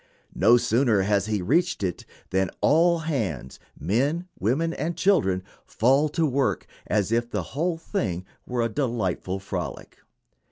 No sooner has he reached it than all hands, men, women, and children, fall to work as if the whole thing were a delightful frolic.